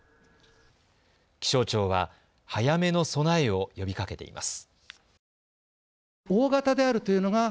気象庁は早めの備えを呼びかけています。